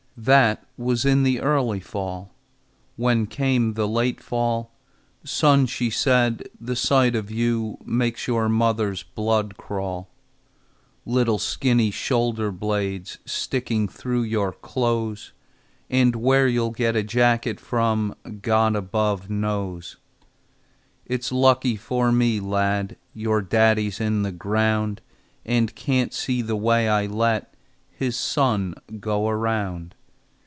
That was in the early fall. When came the late fall, "Son," she said, "the sight of you Makes your mother's blood crawl,– "Little skinny shoulder blades Sticking through your clothes! And where you'll get a jacket from God above knows. "It's lucky for me, lad, Your daddy's in the ground, And can't see the way I let His son go around!"